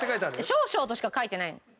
「少々」としか書いてない。